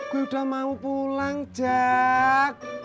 gue udah mau pulang cak